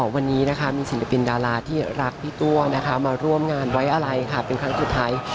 วันนี้นะคะมีศิลปินดาราที่รักพี่ตัวมาร่วมงานไว้อะไรค่ะเป็นครั้งสุดท้าย